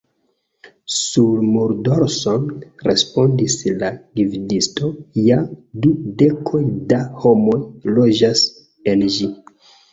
Sur muldorson! respondis la gvidisto, Ja, du dekoj da homoj loĝas en ĝi.